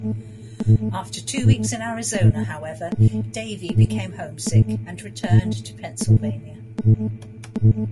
After two weeks in Arizona, however, Davie became homesick and returned to Pennsylvania.